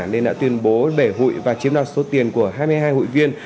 nên đã tuyên bố để hụi và chiếm đoạt số tiền của hai mươi hai hụi viên